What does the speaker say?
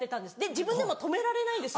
自分でも止められないんです。